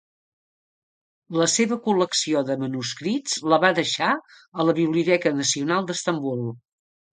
La seva col·lecció de manuscrits la va deixar a la biblioteca nacional d'Istanbul.